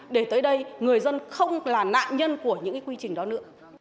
để tới đây người dân không là nạn nhân của những quy trình đó nữa